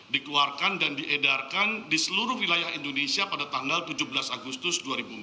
dikeluarkan dan diedarkan di seluruh wilayah indonesia pada tanggal tujuh belas agustus dua ribu empat belas